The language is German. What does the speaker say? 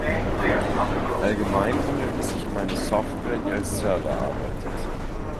Allgemein handelt es sich um eine Software, die als Server arbeitet.